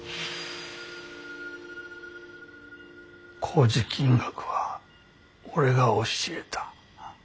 工事金額は俺が教えた。